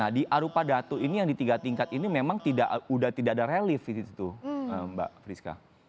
di arupa datu ini yang di tiga tingkat ini memang sudah tidak ada relief mbak priska